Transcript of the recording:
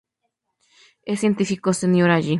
Es científico senior allí.